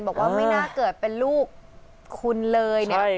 บอกว่าไม่น่าเกิดเป็นลูกคุณเลยเนี่ย